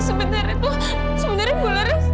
sebentar itu sebenarnya bu laras